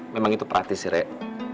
memang itu praktis sih rek